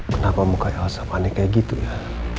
kenapa muka elsa panik kayak gitu ya